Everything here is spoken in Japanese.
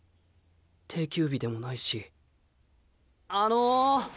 定休日でもないしあの。